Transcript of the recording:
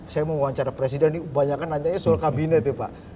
saya mau wawancara presiden ini banyak kan nanya soal kabinet ya pak